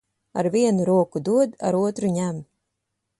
Ar vienu roku dod, ar otru ņem.